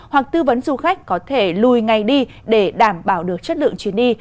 hoặc tư vấn du khách có thể lùi ngay đi để đảm bảo được chất lượng chuyến đi